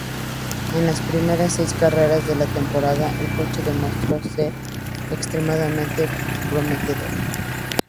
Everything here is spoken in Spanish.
En las primeras seis carreras de la temporada, el coche demostró ser extremadamente prometedor.